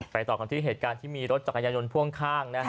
ต่อกันที่เหตุการณ์ที่มีรถจักรยายนต์พ่วงข้างนะฮะ